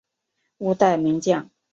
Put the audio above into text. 五代名将。